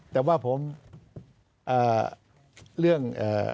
แต่ว่าผมเรื่อง